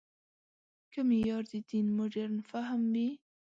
که معیار د دین مډرن فهم وي.